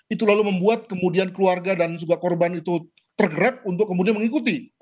itu lalu membuat kemudian keluarga dan juga korban itu tergerak untuk kemudian mengikuti